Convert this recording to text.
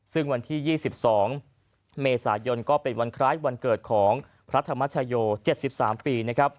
ซึ่งวันที่๒๒เมษายนก็เป็นวันคล้ายวันเกิดของพระธรรมชโย๗๓ปี